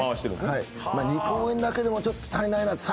はい２公演だけでもちょっと足りないな３ステ？